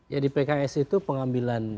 ya di pks itu pengambilan